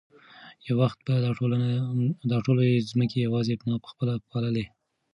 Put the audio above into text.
یو وخت به دا ټولې مځکې یوازې ما په خپله پاللې.